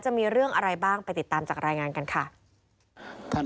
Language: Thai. จะมีเรื่องอะไรบ้างไปติดตามจากรายงานกันค่ะ